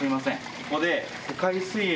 ここで。